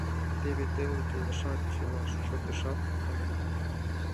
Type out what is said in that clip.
Теве теле толешат, чыла шотешат канем.